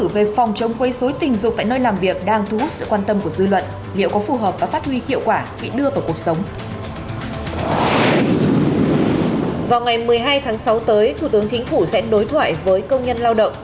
vào ngày một mươi hai tháng sáu tới thủ tướng chính phủ sẽ đối thoại với công nhân lao động